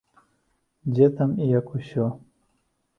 Дзе там і як усё.